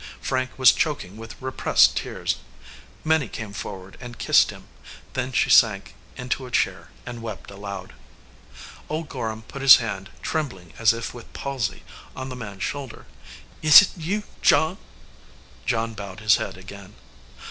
Frank was choking with repressed tears. Minnie came forward and kissed him; then she sank into a chair and wept aloud. Old Gorham put his hand, trembling as if with palsy, on the man s shoulder. "Is it you, John?" John bowed his head again.